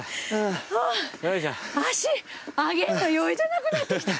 足上げんの余裕じゃなくなってきた。